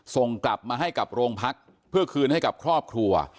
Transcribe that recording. ส่งกลับมาให้กับโรงพักเพื่อคืนให้กับครอบครัว